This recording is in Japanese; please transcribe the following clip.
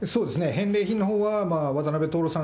返礼品のほうは、渡辺徹さん